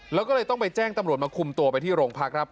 แล้วก็เลยต้องไปแจ้งตำรวจมาคุมตัวไปที่โรงพักครับ